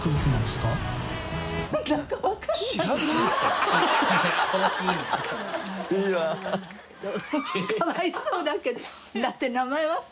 かわいそうだけどだって押切）